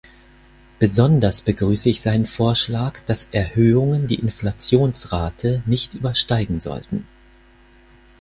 Besonders begrüße ich seinen Vorschlag, dass Erhöhungen die Inflationsrate nicht übersteigen sollten.